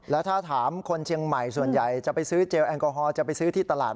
แล้วถ้าถามคนเชียงใหม่ส่วนใหญ่จะไปซื้อเจลแอลกอฮอลจะไปซื้อที่ตลาด